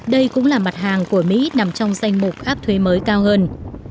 đây cũng là mặt hàng của mỹ nằm trong danh mục áp thuế mới cao hơn